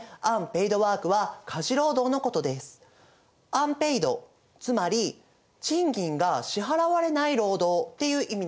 「アンペイド」つまり「賃金が支払われない労働」っていう意味なんだよね。